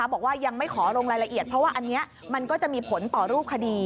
บอกว่ายังไม่ขอลงรายละเอียดเพราะว่าอันนี้มันก็จะมีผลต่อรูปคดี